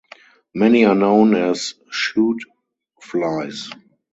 Many are known as shoot flies.